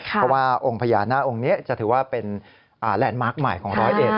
เพราะว่าองค์พญานาคองค์นี้จะถือว่าเป็นแลนด์มาร์คใหม่ของร้อยเอ็ด